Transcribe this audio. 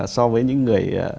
so với những người